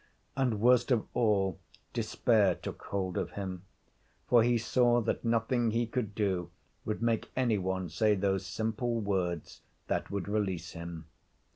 And, worst of all, despair took hold of him, for he saw that nothing he could do would make any one say those simple words that would release him.